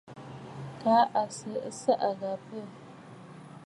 Kaa à sɨ ɨsaʼà gha bə̂.